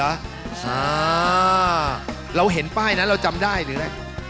อ่าเราเห็นป้ายนั้นเราจำได้หรืออะไร